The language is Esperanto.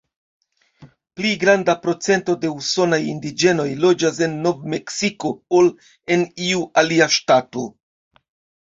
Pli granda procento de usonaj indiĝenoj loĝas en Nov-Meksiko ol en iu alia ŝtato.